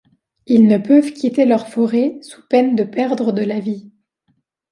Ils ne peuvent quitter leur forêt sous peine de perdre de la vie.